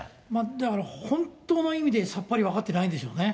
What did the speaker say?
だから本当の意味でさっぱり分かってないんでしょうね。